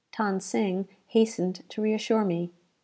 Than Sing hastened to reassure me.